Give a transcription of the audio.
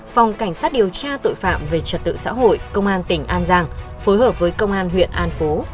phòng cảnh sát điều tra tội phạm về trật tự xã hội công an tỉnh an giang phối hợp với công an huyện an phú